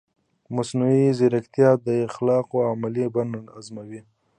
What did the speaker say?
مصنوعي ځیرکتیا د اخلاقو عملي بڼه ازموي.